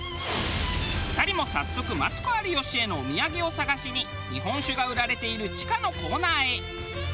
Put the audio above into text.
２人も早速マツコ有吉へのお土産を探しに日本酒が売られている地下のコーナーへ。